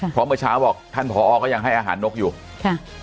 เพราะเมื่อเช้าบอกท่านผอก็ยังให้อาหารนกอยู่ค่ะ